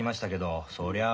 そりゃあ